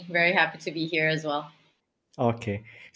terima kasih telah mengundang saya